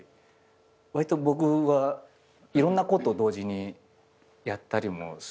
わりと僕はいろんなこと同時にやったりもするんで。